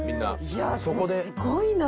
いやすごいな。